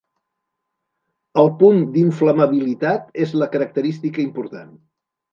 El punt d'inflamabilitat és la característica important.